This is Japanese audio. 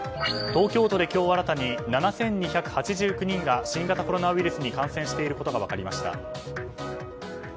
東京都で今日新たに７２８９人が新型コロナウイルスに感染していることが分かりました。